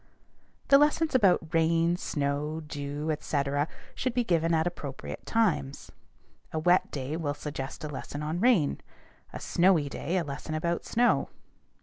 The lessons about rain, snow, dew, etc., should be given at appropriate times. A wet day will suggest a lesson on rain, a snowy day a lesson about snow.